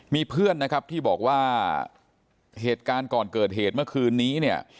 มีเพื่อนนะครับที่บอกว่าเหตุการณ์ก่อนเกิดเหตุเมื่อคืนนี้เนี่ย